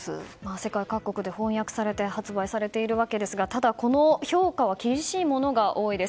世界各国で翻訳されて発売されているわけですがただ、この評価は厳しいものが多いです。